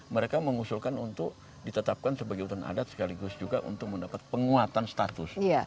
mereka mengusulkan untuk ditetapkan sebagai hutan adat sekaligus juga untuk mendapat penguatan status